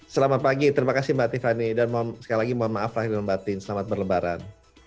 selamat pagi terima kasih mbak tiffany dan sekali lagi mohon maaf lahir dan batin selamat berlebaran